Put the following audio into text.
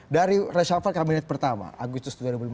dari reshuffle kabinet pertama agustus dua ribu lima belas